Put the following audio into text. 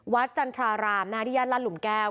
วัดจันทรารามนาฬิยันร์ลัดหลุมแก้ว